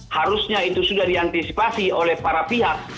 harusnya itu sudah diantisipasi oleh para pihak